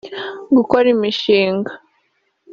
gukora imishinga